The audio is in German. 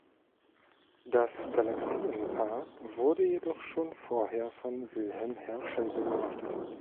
Das Galaxienpaar wurde jedoch schon vorher von Wilhelm Herschel beobachtet.